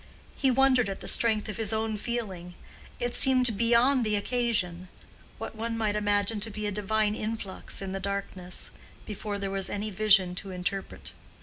He wondered at the strength of his own feeling; it seemed beyond the occasion—what one might imagine to be a divine influx in the darkness, before there was any vision to interpret.